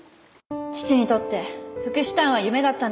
父にとって福祉タウンは夢だったんです。